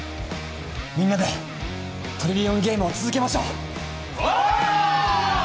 みんなでトリリオンゲームを続けましょうオー！